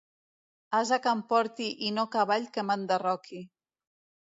Ase que em porti i no cavall que m'enderroqui.